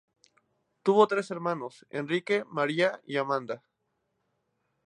Tuvo tres hermanos, Enrique, María y Amanda.